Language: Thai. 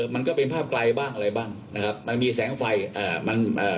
มันก็เป็นภาพไกลบ้างอะไรบ้างนะครับมันมีแสงไฟอ่ามันเอ่อ